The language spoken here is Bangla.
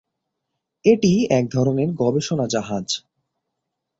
এটি এক ধরনের গবেষণা জাহাজ।